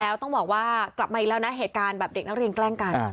แล้วต้องบอกว่ากลับมาอีกแล้วนะเหตุการณ์แบบเด็กนักเรียนแกล้งกัน